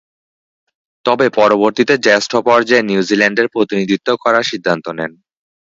তবে, পরবর্তীতে জ্যেষ্ঠ পর্যায়ে নিউজিল্যান্ডের প্রতিনিধিত্ব করার সিদ্ধান্ত নেন।